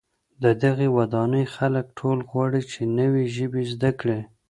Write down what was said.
د دغي ودانۍ خلک ټول غواړي چي نوې ژبې زده کړي.